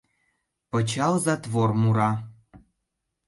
Пычал затвор мура.